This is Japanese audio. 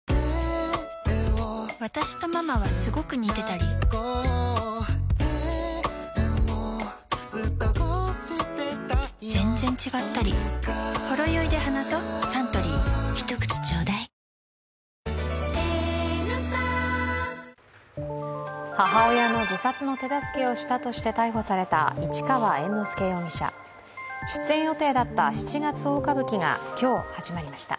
私とママはスゴく似てたり全然違ったり母親の自殺の手助けをしたとして逮捕された市川猿之助容疑者。出演予定だった「七月大歌舞伎」が今日、始まりました。